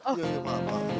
ya ya maaf pak